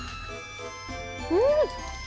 うん！